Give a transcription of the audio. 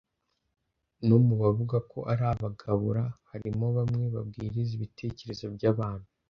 No mu bavuga ko ari abagabura harimo bamwe babwiriza ibitekerezo by’abantu